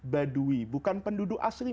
badui bukan penduduk asli